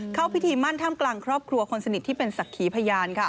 เข้าพิธีมั่นท่ามกลางครอบครัวคนสนิทที่เป็นศักดิ์ขีพยาน